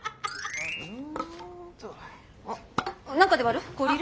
あっ何かで割る？